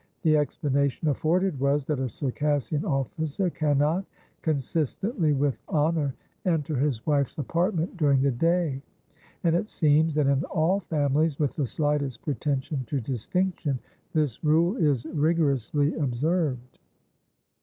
The explanation afforded was, that a Circassian officer cannot, consistently with honour, enter his wife's apartment during the day, and it seems that in all families with the slightest pretension to distinction this rule is rigorously observed.